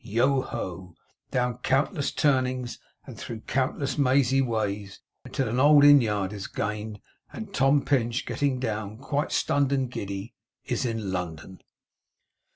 Yoho, down countless turnings, and through countless mazy ways, until an old Innyard is gained, and Tom Pinch, getting down quite stunned and giddy, is in London!